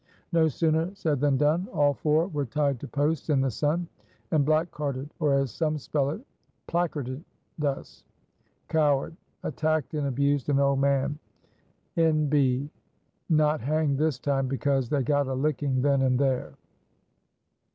No sooner said than done. All four were tied to posts in the sun, and black carded, or, as some spell it, placarded, thus: COWARD. Attacked and abused an old man. >N. B. Not hanged this time because they got a licking then and there.